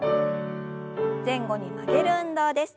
前後に曲げる運動です。